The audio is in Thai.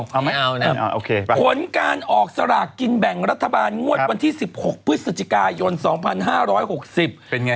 หลังผลการซึ่งกินแบ่งรัฐบาลงวดวันที่๑๖พฤศจิกายน๒๕๖๐